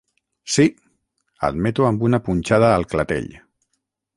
Sí –admeto amb una punxada al clatell.